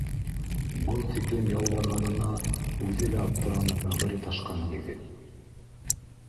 — Был тиклем ялбарғанына үҙе лә аптыраны бәғере ташҡан егет